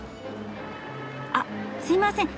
あっすいません。